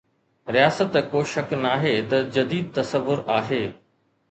رياست ڪو شڪ ناهي ته جديد تصور آهي.